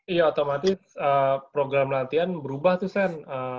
iya otomatis program latihan berubah tuh sen